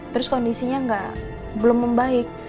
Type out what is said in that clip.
terus kondisinya belum membaik